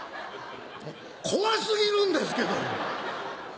怖過ぎるんですけど。